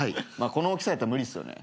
この大きさやったら無理っすよね。